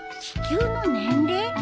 地球の年齢？